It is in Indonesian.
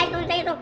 itu itu itu